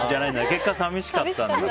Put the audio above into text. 結果、寂しかったんだ。